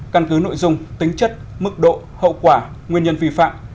căn cứ nội dung tính chất mức độ hậu quả nguyên nhân vi phạm